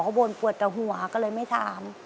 เขาบ่นปวดแต่หัวก็เลยไม่ถาม